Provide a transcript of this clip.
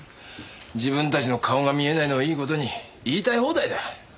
自分たちの顔が見えないのをいい事に言いたい放題だ。